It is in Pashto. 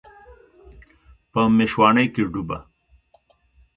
په میشواڼۍ کې ډوبه